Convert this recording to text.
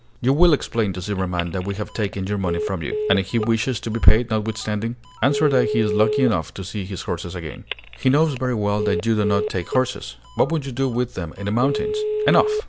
"You will explain to Zimmerman that we have taken your money from you." "And if he wishes to be paid, notwithstanding?" "Answer that he is lucky enough to see his horses again." "He knows very well that you do not take horses. What would you do with them in the mountains?" "Enough!